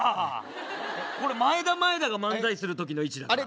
これまえだまえだが漫才する時の位置だから。